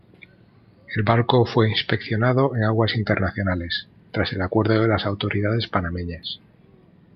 El barco fue inspeccionado en aguas internacionales, tras el acuerdo de las autoridades panameñas.